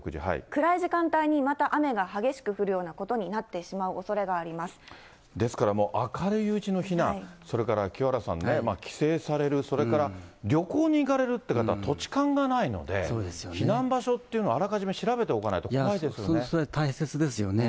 暗い時間帯にまた雨が激しく降るようなことになってしまうおですから明るいうちの避難、それから清原さんね、帰省される、それから旅行に行かれるという方は、土地勘がないので、避難場所っていうの、あらかじめ調べておかないと怖いですよね。